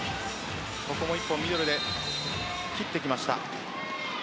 ここも１本、ミドルで切ってきました。